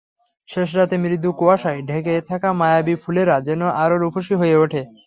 শেষরাতে মৃদু কুয়াশায় ঢেকে থাকা মায়াবী ফুলেরা যেন আরও রূপসী হয়ে ওঠে।